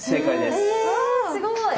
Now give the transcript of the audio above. すごい。